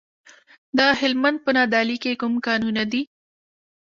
د هلمند په نادعلي کې کوم کانونه دي؟